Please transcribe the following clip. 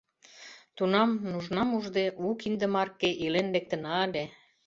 Тунам, нужнам ужде, у кинде марке илен лектына ыле.